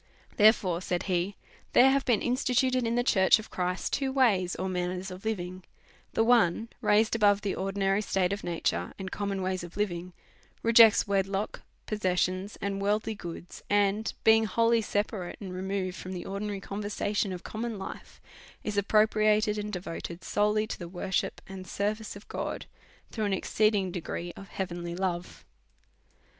'" Therefore," saith he, '' there have been instituted in the church of Christ two ways or manners of living ; the one, raised above the ordinary state of nature, and common ways of living, rejects wedlock, possessions, and worldly goods ; and, being wholly separate and removed from the ordinary conversation of common life, is appropriated and devoted solely to the worship 96 A SERIOUS CALL TO A and service of God^ through an exceeding' degree of heavenly love.